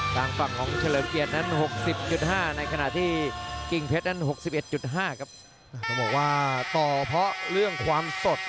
ต้องบอกว่าต่อเพราะเรื่องความสด